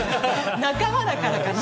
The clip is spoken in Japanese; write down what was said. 仲間だからかな。